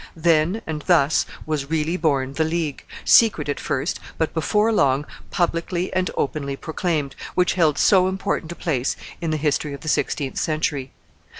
Then and thus was really born the League, secret at first, but, before long, publicly and openly proclaimed, which held so important a place in the history of the sixteenth century.